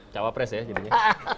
cawa pres ya jadinya